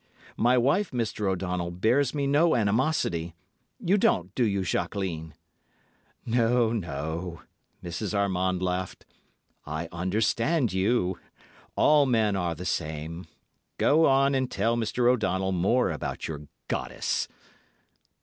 My wife, Mr. O'Donnell, bears me no animosity. You don't, do you, Jacqueline?" "No, no," Mrs. Armand laughed. "I understand you. All men are the same. Go on and tell Mr. O'Donnell more about your goddess."